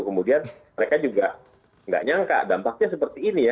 kemudian mereka juga nggak nyangka dampaknya seperti ini ya